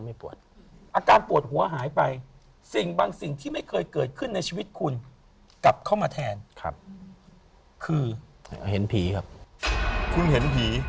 ไม่ปวดครับจนทุกวันนี้ก็ยังไม่ปวด